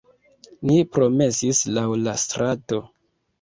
Ni promenis laŭ la strato